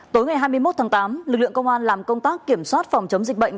tối ngày hai mươi một tháng tám lực lượng công an làm công tác kiểm soát phòng chống dịch bệnh